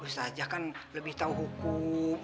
saja kan lebih tahu hukum